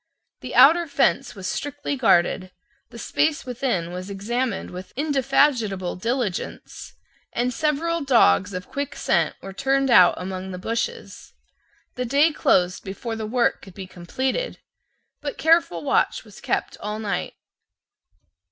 The outer fence was strictly guarded: the space within was examined with indefatigable diligence; and several dogs of quick scent were turned out among the bushes. The day closed before the work could be completed: but careful watch was kept all night.